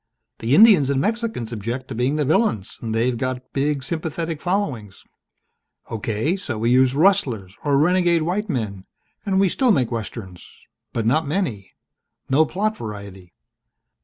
The Indians and Mexicans object to being the villains and they've got big sympathetic followings. Okay, so we use rustlers or renegade white men and we still make Westerns but not many. No plot variety."